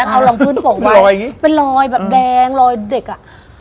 เอาลองพื้นปกไว้เป็นรอยแบบแดงรอยเด็กอ่ะ